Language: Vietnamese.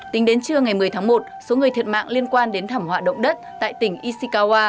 tính đến trưa ngày một mươi tháng một số người thiệt mạng liên quan đến thảm họa động đất tại tỉnh ishikawa